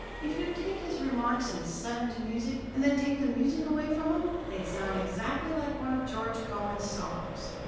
If you'd take his remarks and set 'em to music, and then take the music away from 'em, they'd sound exactly like one of George Cohan's songs.